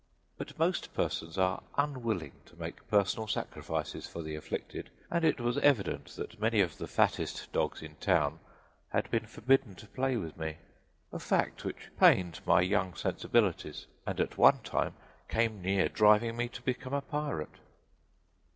But most persons are unwilling to make personal sacrifices for the afflicted, and it was evident that many of the fattest dogs in town had been forbidden to play with me a fact which pained my young sensibilities, and at one time came near driving me to become a pirate.